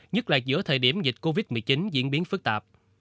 nhất là giữa thời điểm dịch covid một mươi chín diễn biến phức tạp